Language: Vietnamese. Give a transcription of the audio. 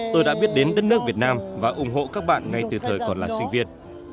tôi đã biết đến đất nước việt nam và ủng hộ các bạn ngay từ thời còn là sinh viên